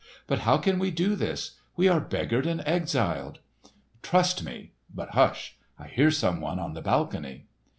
"But how can we do this? We are beggared and exiled." "Trust me—but hush! I hear someone on the balcony!"